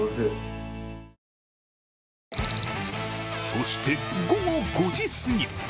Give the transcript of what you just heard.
そして午後５時すぎ。